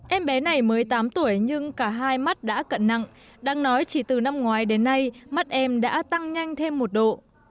em bé này mới tám tuổi nhưng cả hai mắt đã cận nặng đang nói chỉ từ năm ngoái đến nay mắt em đã tăng nhanh thêm một độ